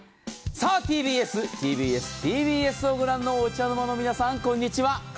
さぁ、ＴＢＳ、ＴＢＳ、ＴＢＳをご覧のお茶の間の皆さん、こんにちは。